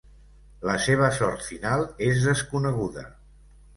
La seva sort final és desconeguda.